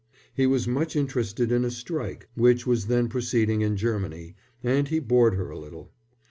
He was much interested in a strike which was then proceeding in Germany, and he bored her a little.